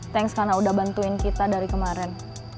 thanks karena udah bantuin kita dari kemarin